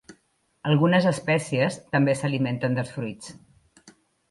Algunes espècies també s'alimenten dels fruits.